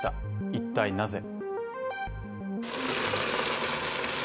一体、なぜ？